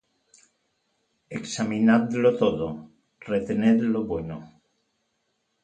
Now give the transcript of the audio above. Examinadlo todo; retened lo bueno.